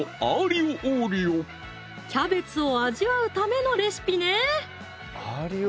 キャベツを味わうためのレシピね！